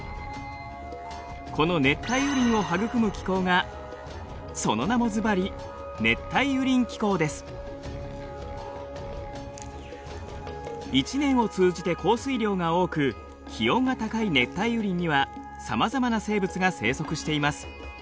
この熱帯雨林を育む気候がその名もずばり一年を通じて降水量が多く気温が高い熱帯雨林にはさまざまな生物が生息しています。